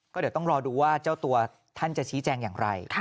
ก็เดี๋ยวต้องรอดูว่าเจ้าตัวท่านจะชี้แจงอย่างไร